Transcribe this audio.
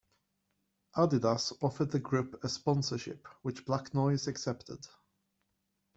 Adidas offered the group a Sponsorship, which Black Noise accepted.